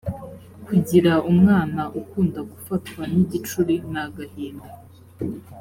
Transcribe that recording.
kugira umwana ukunda gufatwa n’ igicuri ni agahinda